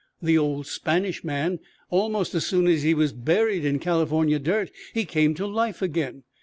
The old Spanish man, almost as soon as he was buried in California dirt, he came to life again!